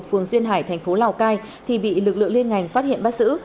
phường duyên hải thành phố lào cai thì bị lực lượng liên ngành phát hiện bắt giữ